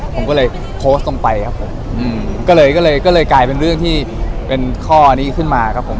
ผมก็เลยโพสต์ลงไปครับผมอืมก็เลยก็เลยกลายเป็นเรื่องที่เป็นข้อนี้ขึ้นมาครับผม